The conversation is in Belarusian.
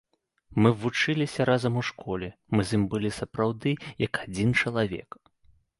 Мы вучыліся разам у школе, мы з ім былі сапраўды, як адзін чалавек.